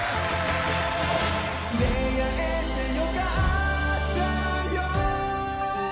出会えてよかったよ